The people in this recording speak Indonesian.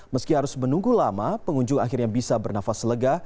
meski harus menunggu lama pengunjung akhirnya bisa bernafas lega